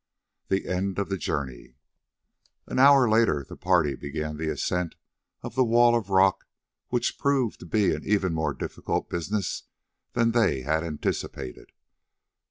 THE END OF THE JOURNEY An hour later the party began the ascent of the wall of rock, which proved to be an even more difficult business than they had anticipated.